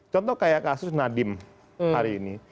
contoh kayak kasus nadiem hari ini